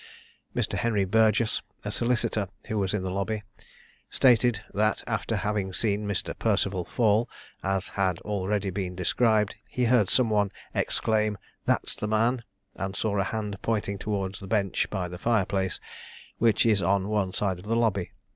Mr. Henry Burgess, a solicitor who was in the lobby, stated, that after having seen Mr. Perceval fall, as had been already described, he heard some one exclaim, "That's the man!" and saw a hand pointing towards the bench by the fire place, which is on one side of the lobby.